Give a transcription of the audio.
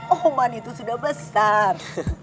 oman itu sudah besar